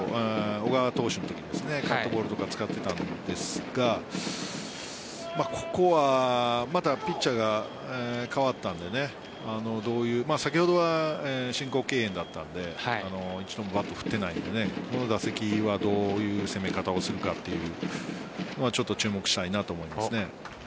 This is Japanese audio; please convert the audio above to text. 小川投手のときにカットボールを使っていたんですがここはまたピッチャーが代わったので先ほどは申告敬遠だったので一度もバットを振っていないのでこの打席はどういう攻め方をするかというのはちょっと注目したいと思います。